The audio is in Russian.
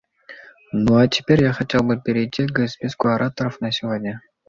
Ну а теперь я хотел бы перейти к списку ораторов на сегодня.